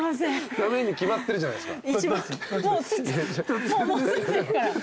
駄目に決まってるじゃないですか。